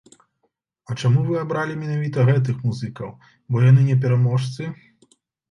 А чаму вы абралі менавіта гэтых музыкаў, бо яны не пераможцы?